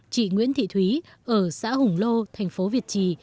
chị nguyễn thị thúy ở xã hùng lô thành phố việt trì